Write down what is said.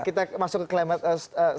kita masuk ke climate